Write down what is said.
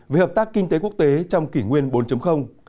về hợp tác kinh tế quốc tế trong kỷ nguyên bốn